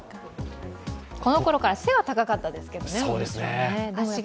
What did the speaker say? このころから背は高かったですけどね。